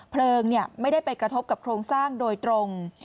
เพลิงไม่ได้ไปกระทบกับโครงสร้างโดยตรง